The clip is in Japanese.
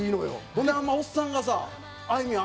それであんまりおっさんがさあいみょん！